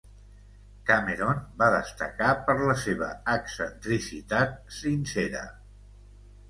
Cameron va destacar per la seva excentricitat sincera.